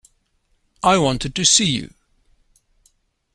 I wanted to see you.